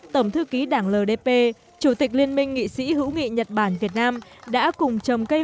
tổng thư ký đảng ldp chủ tịch liên minh nghị sĩ hữu nghị nhật bản việt nam đã cùng trồng cây